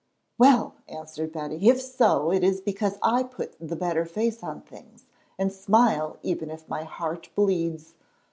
"Well," answered Betty, "if so, it is because I put the better face on things, and smile even if my heart bleeds.